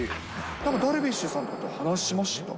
なんかダルビッシュさんとかと話しました？